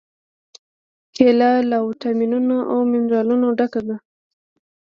کېله له واټامینونو او منرالونو ډکه ده.